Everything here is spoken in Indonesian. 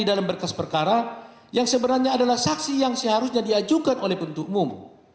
dalam berkas perkara yang sebenarnya adalah saksi yang seharusnya diajukan oleh penuntut umum